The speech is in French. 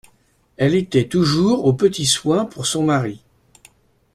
Elle était toujours aux petits soins pour son mari.